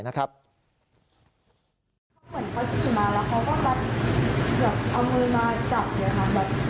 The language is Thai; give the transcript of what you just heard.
เขาเหมือนเขาขี่มาแล้วเขาก็แบบเอามือมาจับเลยค่ะ